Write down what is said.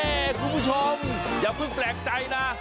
คุณผู้ชมอย่าเพิ่งแปลกใจนะ